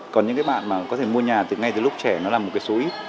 còn những bạn có thể mua nhà ngay từ lúc trẻ là một số ít